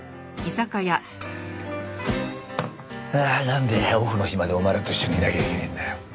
なんでオフの日までお前らと一緒にいなきゃいけねえんだよ。